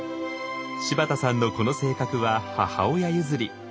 柴田さんのこの性格は母親譲り。